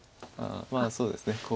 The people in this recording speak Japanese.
ああそうですね